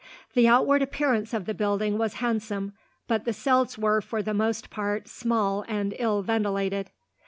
The outward appearance of the building was handsome, but the cells were, for the most part, small and ill ventilated.